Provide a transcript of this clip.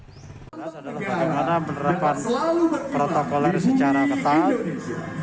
adalah bagaimana menerapkan protokol yang secara ketat